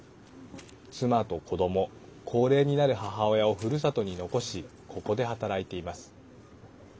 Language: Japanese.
妻と子ども、高齢になる母親をふるさとに残しここで働いています。